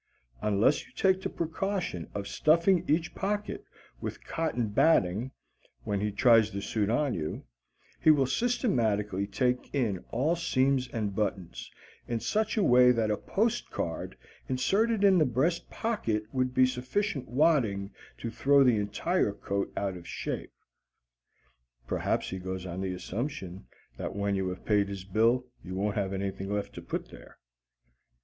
Unless you take the precaution of stuffing each pocket with cotton batting when he tries the suit on you, he will systematically take in all seams and buttons, in such a way that a post card inserted in the breast pocket would be sufficient wadding to throw the entire coat out of shape. (Perhaps he goes on the assumption that when you have paid his bill you won't have anything left to put there.)